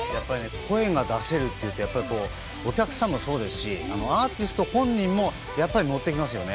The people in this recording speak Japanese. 声が出せるっていうと、お客さんもそうですし、アーティスト本人もやっぱりノってきますよね。